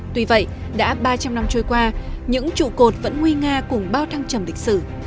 tuy vậy đã ba trăm linh năm trôi qua những trụ cột vẫn nguy nga cùng bao thăng trầm lịch sử